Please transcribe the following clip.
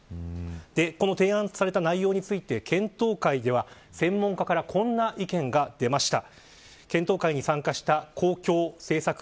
この提案された内容について検討会では、専門家からこんな意見が出ました。